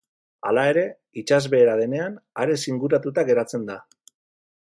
Hala ere, itsasbehera denean, harez inguratuta geratzen da.